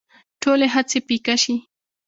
ټولې هڅې پيکه شي